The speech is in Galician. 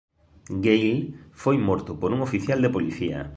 Gale foi morto por un oficial de policía.